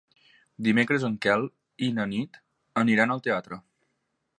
Dimecres en Quel i na Nit aniran al teatre.